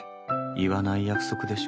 言わない約束でしょ。